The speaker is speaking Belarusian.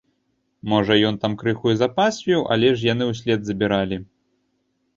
Можа, ён там крыху і запасвіў, але ж яны ўслед забіралі.